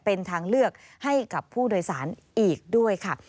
เป็นทางเลือกให้กับผู้โดยสารอีกด้วยค่ะ